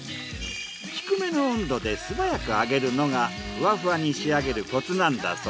低めの温度で素早く揚げるのがふわふわに仕上げるコツなんだ